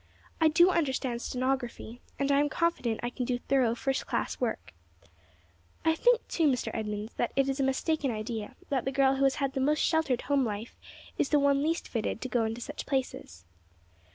I do understand stenography, and I am confident I can do thorough, first class work. I think, too, Mr. Edmunds, that it is a mistaken idea that the girl who has had the most sheltered home life is the one least fitted to go into such places.